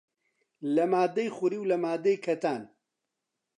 لە ماددەی خوری و لە ماددەی کەتان